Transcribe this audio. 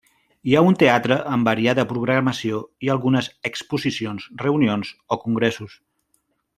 Hi ha un teatre amb variada programació i algunes exposicions, reunions o congressos.